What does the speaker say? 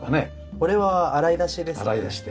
これは洗い出しですね。